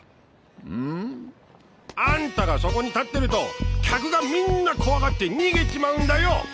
ん？あんたがそこに立ってると客がみんな怖がって逃げちまうんだよ！